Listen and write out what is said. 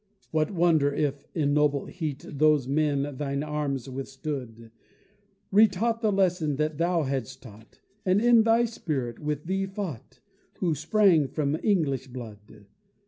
What wonder if in noble heat Those men thine arms withstood, Retaught the lesson thou had'st taught, And in thy spirit with thee fought, Who sprang from English blood!